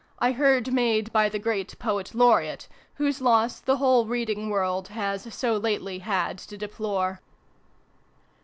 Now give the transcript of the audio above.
I heard made by the great Poet Laureate, whose loss the whole reading world has so lately had to deplore.